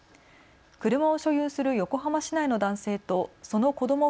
車を所有する横浜市内の男性とその子ども